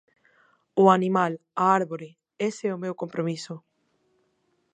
O animal, a árbore: ese é o meu compromiso.